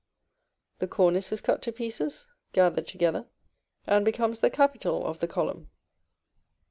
The cornice is cut to pieces, gathered together, and becomes the capital of the column.